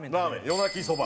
夜鳴きそば。